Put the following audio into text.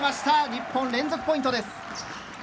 日本、連続ポイントです。